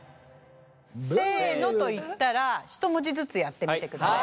「せの」と言ったらひと文字ずつやってみてください。